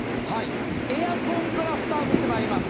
エアコンからスタートしてまいります。